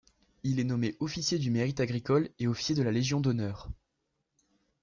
Il est nommé officier du Mérite agricole et officier de la Légion d'Honneur.